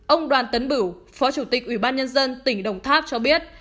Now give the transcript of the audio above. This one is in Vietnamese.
ông đoàn tấn bửu phó chủ tịch ủy ban nhân dân tỉnh đồng tháp cho biết